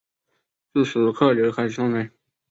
自此客流开始上升。